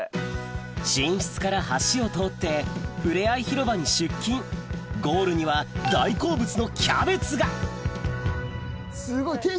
寝室から橋を通ってふれあい広場に出勤ゴールには大好物のキャベツがすごい。